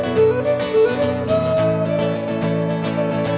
มีชื่อโชว์ว่าอะไรคะ